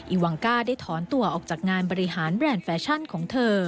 วังก้าได้ถอนตัวออกจากงานบริหารแบรนด์แฟชั่นของเธอ